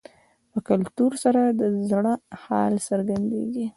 په کتلو سره د زړه حال څرګندېږي